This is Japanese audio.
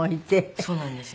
そうなんですよ。